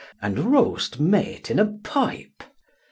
And roast meat in a pipe.